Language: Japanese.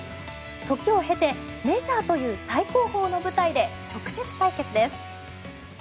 時を経てメジャーという最高峰の舞台で直接対決です。